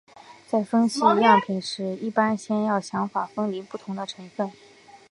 在分析样品时一般先要想法分离不同的成分。